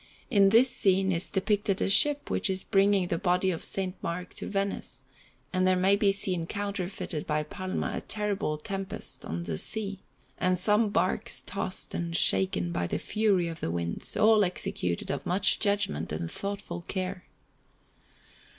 In this scene is depicted a ship which is bringing the body of S. Mark to Venice; and there may be seen counterfeited by Palma a terrible tempest on the sea, and some barques tossed and shaken by the fury of the winds, all executed with much judgment and thoughtful care.